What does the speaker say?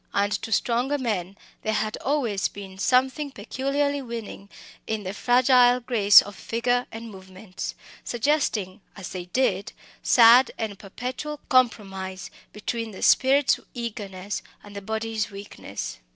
And to stronger men there had always been something peculiarly winning in the fragile grace of figure and movements, suggesting, as they did, sad and perpetual compromise between the spirit's eagerness and the body's weakness.